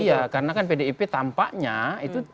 iya karena kan pdip tampaknya itu